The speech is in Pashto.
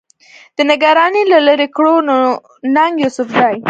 د نګرانۍ نه لرې کړو، نو ننګ يوسفزۍ